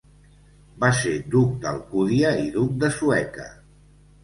Va ser duc d'Alcúdia i duc de Sueca.